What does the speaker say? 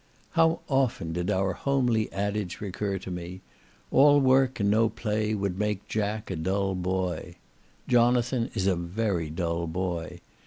How often did our homely adage recur to me, "All work and no play would make Jack a dull boy;" Jonathan is a very dull boy.